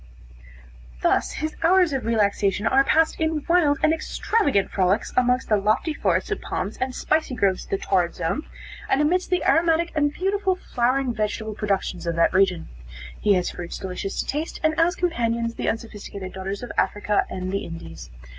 Thus his hours of relaxation are passed in wild and extravagant frolics amongst the lofty forests of palms and spicy groves of the Torrid Zone, and amidst the aromatic and beautiful flowering vegetable productions of that region. He has fruits delicious to taste, and as companions, the unsophisticated daughters of Africa and the Indies.